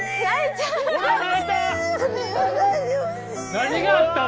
何があったん！？